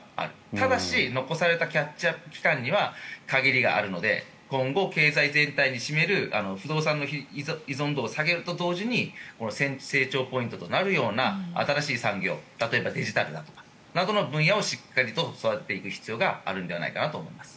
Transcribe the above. ただし、残されたキャッチアップ期間には限りがあるので今後経済全体に占める不動産の依存度を下げると同時に成長ポイントとなるような新しい産業例えばデジタルなどの分野をしっかりと育てていく必要があるのではないかと思います。